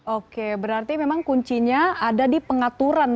oke berarti memang kuncinya ada di pengaturan